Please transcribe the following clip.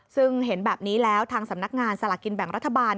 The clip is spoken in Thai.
ซึ่งเห็นแบบนี้แล้วทางสำนักงานสลากกินแบ่งรัฐบาล